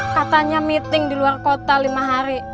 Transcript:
katanya meeting diluar kota lima hari